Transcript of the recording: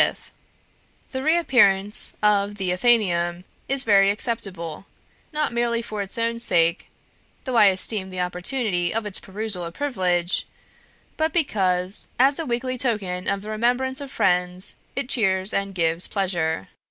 5th: "The reappearance of the Athenaeum is very acceptable, not merely for its own sake, though I esteem the opportunity of its perusal a privilege, but because, as a weekly token of the remembrance of friends, it cheers and gives pleasure.